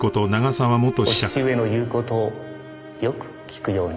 お父上の言う事をよく聞くようにね。